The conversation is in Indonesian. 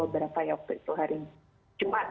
beberapa ya waktu itu hari jumat